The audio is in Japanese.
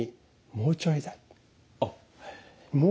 もうちょいだ。